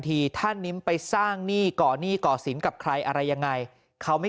ถ้านิ้มไปสร้างหนี้ก่อหนี้ก่อสินกับใครอะไรยังไงเขาไม่